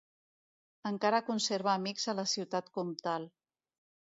Encara conserva amics a la ciutat comtal.